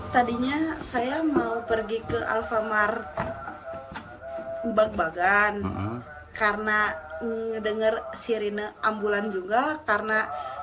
tadinya saya mau pergi ke alfamar bagbagan karena dengar sirine ambulans juga